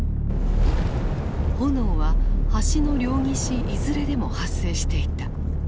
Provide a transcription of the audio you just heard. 炎は橋の両岸いずれでも発生していた。